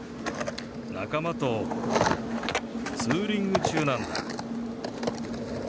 仲間とツーリング中なんだ。